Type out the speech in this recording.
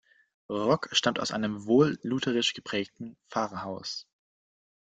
Rock stammte aus einem wohl lutherisch geprägten Pfarrhaus.